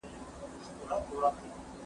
موږ ژوندپرست یو سپین کفن نه منو